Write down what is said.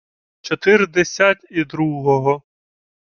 — Чотирдесять і другого...